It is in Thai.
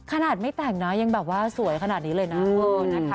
ขนาดไม่แต่งนะยังแบบว่าสวยขนาดนี้เลยนะ